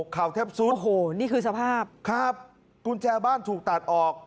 เข่าแทบสุดโอ้โหนี่คือสภาพครับกุญแจบ้านถูกตัดออก